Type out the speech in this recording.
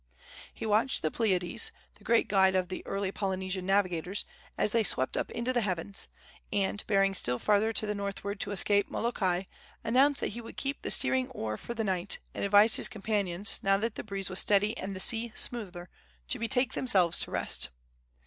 He watched the Pleiades the great guide of the early Polynesian navigators as they swept up into the heavens, and, bearing still farther to the northward to escape Molokai, announced that he would keep the steering oar for the night, and advised his companions, now that the breeze was steady and the sea smoother, to betake themselves to rest.